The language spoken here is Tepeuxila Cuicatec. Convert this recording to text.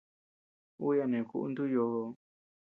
Uu yaʼa neʼë kuʼu ntu yoo.